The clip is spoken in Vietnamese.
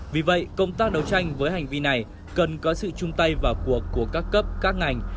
vì vậy công tác đấu tranh với hành vi này cần có sự chung tay vào cuộc của các cấp các ngành